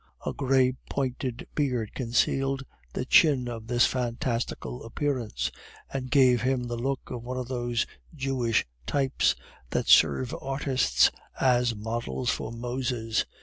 A gray pointed beard concealed the chin of this fantastical appearance, and gave him the look of one of those Jewish types which serve artists as models for Moses.